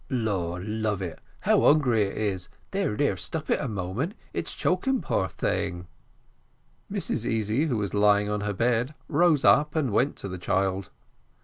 "Lord love it, how hungry it is there, there, stop it a moment, it's choking, poor thing!" Mrs Easy, who was lying on her bed, rose up, and went to the child.